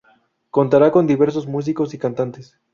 Contará con diversos músicos y cantantes.